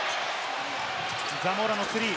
ザモーラのスリー。